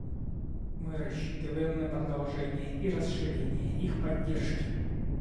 Мы рассчитываем на продолжение и расширение их поддержки.